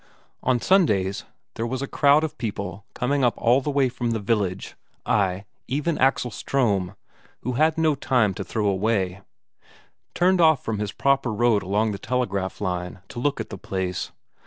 On Sundays, there was a crowd of people coming up all the way from the village; ay, even Axel Ström, who had no time to throw away, turned off from his proper road along the telegraph line to look at the place.